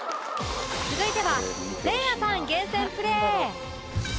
続いてはせいやさん厳選プレー